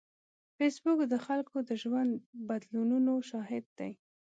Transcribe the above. فېسبوک د خلکو د ژوند بدلونونو شاهد دی